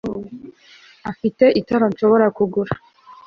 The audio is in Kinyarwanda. ufite itara nshobora kuguza